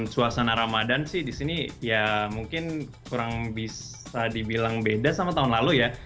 suasana ramadan sih di sini ya mungkin kurang bisa dibilang beda sama tahun lalu ya